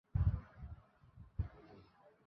Doctor সাহেবের পৈতৃক বাড়ি খুবই সুন্দর।